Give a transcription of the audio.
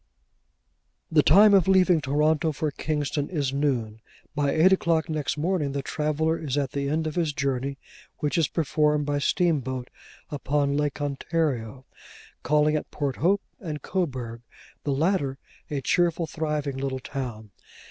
The time of leaving Toronto for Kingston is noon. By eight o'clock next morning, the traveller is at the end of his journey, which is performed by steamboat upon Lake Ontario, calling at Port Hope and Coburg, the latter a cheerful, thriving little town.